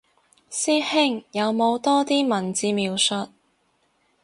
師兄有冇多啲文字描述